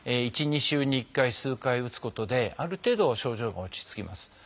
１２週に１回数回打つことである程度は症状が落ち着きます。